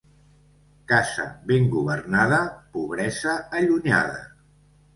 Casa ben governada, pobresa allunyada.